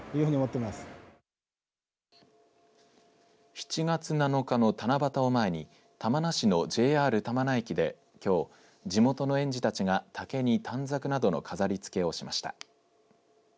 ７月７日の七夕を前に玉名市のＪＲ玉名駅できょう地元の園児たちが竹に短冊などの飾りつけをしました。